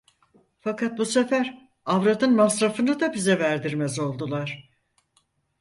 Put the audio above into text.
Fakat bu sefer avradın masrafını da bize verdirmez oldular.